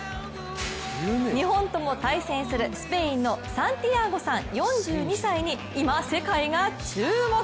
日本とも対戦するスペインのサンティアーゴさん４２歳に今、世界が注目。